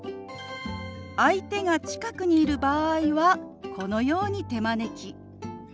相手が近くにいる場合はこのように手招き。